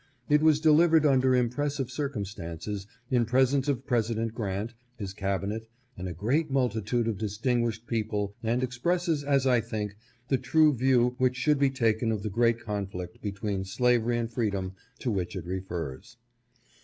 It was delivered under impres sive circumstances, in presence of President Grant, his Cabinet, and a great multitude of distinguished people, and expresses, as I think, the true view which should be taken of the great conflict between slavery and freedom to which it refers.